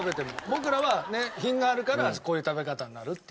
僕らは品があるからこういう食べ方になるって。